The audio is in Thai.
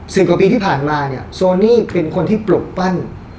กว่าปีที่ผ่านมาเนี่ยโซนี่เป็นคนที่ปลุกปั้น